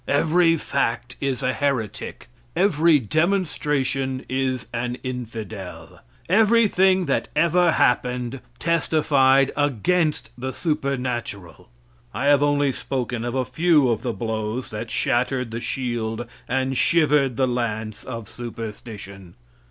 Every fact is a heretic. Every demonstration is an infidel. Everything that ever happened testified against the supernatural. I have only spoken of a few of the blows that shattered the shield and shivered the lance of superstition.